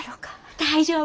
大丈夫。